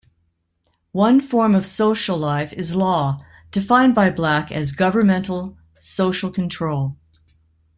One form of social life is law, defined by Black as governmental social control.